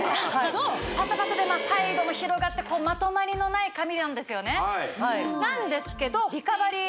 パサパサでサイドも広がってまとまりのない髪なんですよねなんですけどリカバリー